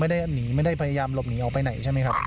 ไม่ได้หนีไม่ได้พยายามหลบหนีออกไปไหนใช่ไหมครับ